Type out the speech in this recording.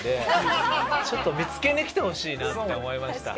見つけに来てほしいなって思いました。